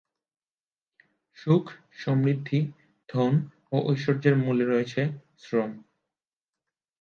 সুখ, সমৃদ্ধি, ধন ও ঐশ্বর্য এর মূলে রয়েছে শ্রম।